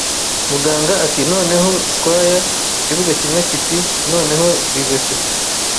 Muganga ati: "Noneho, squire". Ikibuga kimwe kiti: "Noneho, Livesey"